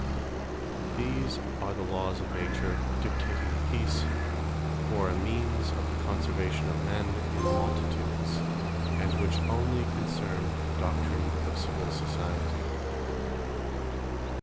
These are the Lawes of Nature, dictating Peace, for a means of the conservation of men in multitudes; and which onely concern the doctrine of Civill Society.